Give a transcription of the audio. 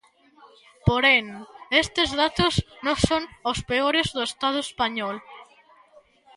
Porén, estes datos non son os peores do Estado español.